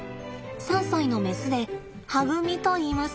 ３歳のメスではぐみといいます。